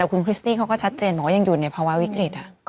แต่คุณคริสตี้เขาก็ชัดเจนบอกว่ายังอยู่ในภาวะวิกฤต